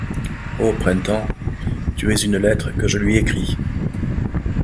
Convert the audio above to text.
Ô printemps! tu es une lettre que je lui écris.